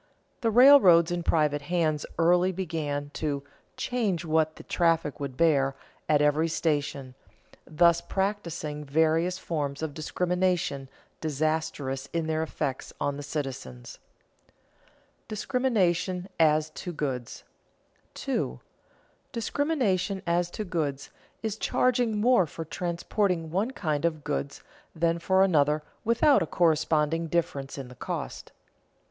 The railroads in private hands early began to "charge what the traffic would bear" at every station, thus practising various forms of discrimination disastrous in their effects on the citizens. [Sidenote: Discrimination as to goods] 2. _Discrimination as to goods is charging more for transporting one kind of goods than for another without a corresponding difference in the cost.